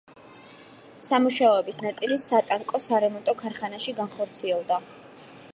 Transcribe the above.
სამუშაოების ნაწილი სატანკო სარემონტო ქარხანაში განხორციელდება.